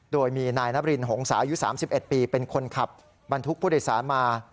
โดยมีนายนบรินหงษายุ๓๑ปีเป็นคนขับบรรทุกผู้โดยสารมา